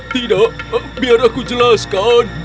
tidak biar aku jelaskan